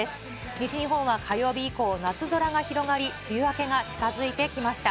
西日本は火曜日以降、夏空が広がり、梅雨明けが近づいてきました。